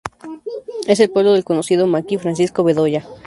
Es el pueblo del conocido maqui Francisco Bedoya.